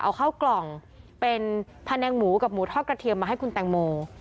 เอาข้าวกล่องเป็นแผนงหมูกับหมูทอดกระเทียมมาให้คุณแตงโม